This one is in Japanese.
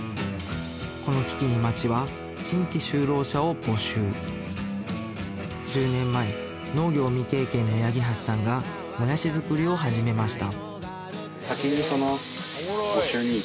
この危機に町は１０年前農業未経験の八木橋さんがもやし作りを始めました